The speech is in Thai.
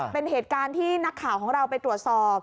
เป็นเหตุการณ์ที่นักข่าวของเราไปตรวจสอบ